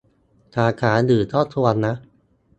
สาขาอื่นก็ชวนนะ